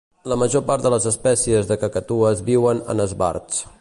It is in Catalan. La major part de les espècies de cacatues viuen en esbarts.